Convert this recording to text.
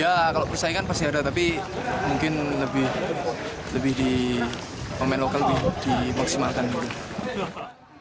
ya kalau persaingan pasti ada tapi mungkin lebih di pemain lokal lebih dimaksimalkan dulu